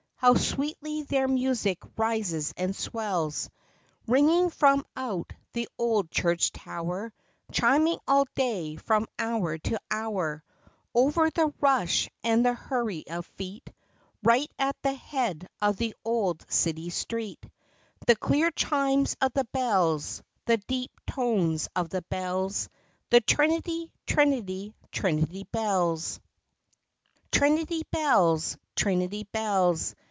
How sweetly their music rises and swells, Ringing from out the old church tower, Chiming all day from hour to hour Over the rush and the hurry of feet, Right at the head of the old city street, — The clear chimes of the bells, The deep tones of the bells, The Trinity, Trinity, Trinity Bells! Trinity Bells! Trinity Bells!